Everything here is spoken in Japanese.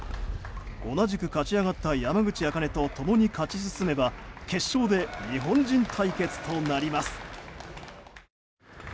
同じく勝ち上がった山口茜と共に勝ち進めば決勝で日本人対決となります。